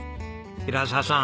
平澤さん